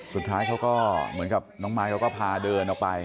สุดท้ายเขาก็เหมือนกับน้องมายเขาก็พาเดินออกไป